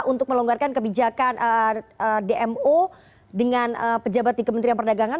untuk melonggarkan kebijakan dmo dengan pejabat di kementerian perdagangan